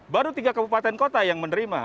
baru tiga kabupaten kota yang menerima